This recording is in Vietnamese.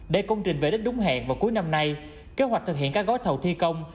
để công trình về đích đúng hẹn vào cuối năm nay kế hoạch thực hiện các gói thầu thi công